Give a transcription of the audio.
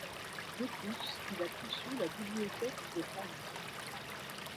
De plus, il a conçu la bibliothèque de Hamm.